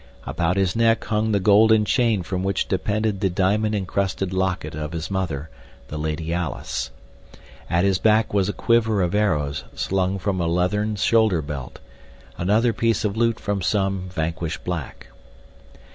About his neck hung the golden chain from which depended the diamond encrusted locket of his mother, the Lady Alice. At his back was a quiver of arrows slung from a leathern shoulder belt, another piece of loot from some vanquished black.